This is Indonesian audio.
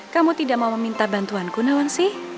kamu tidak mau meminta bantuanku nawangsi